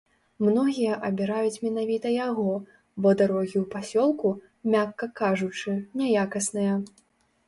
Многія абіраюць менавіта яго, бо дарогі ў пасёлку, мякка кажучы, няякасныя.